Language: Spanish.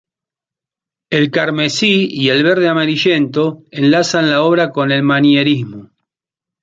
El carmesí y el verde amarillento enlazan la obra con el Manierismo.